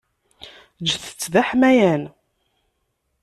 Eǧǧet-t d aḥmayan.